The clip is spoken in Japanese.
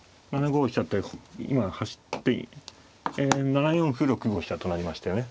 ７五飛車って今走って７四歩６五飛車となりましたよね。